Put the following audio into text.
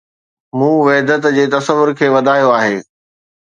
مون وحدت جي تصور کي وڌايو آهي